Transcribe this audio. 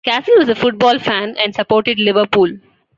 Castle was a football fan and supported Liverpool.